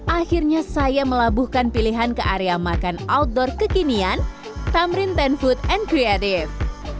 akhirnya saya melabuhkan pilihan ke area makan outdoor kekinian tamrin sepuluh food and creative